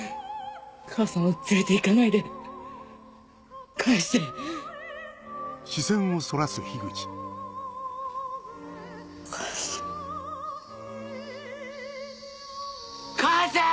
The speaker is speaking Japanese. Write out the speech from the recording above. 母さんを連れて行かないで返して返せ返せ！